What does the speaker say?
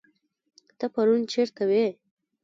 ته پرون چيرته وي